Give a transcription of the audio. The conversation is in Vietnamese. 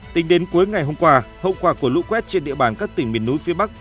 tính đến cuối ngày hôm qua hậu quả của lũ quét trên địa bàn các tỉnh miền núi phía bắc